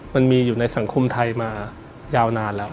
มันมีอยู่ในสังคมไทยมายาวนานแล้ว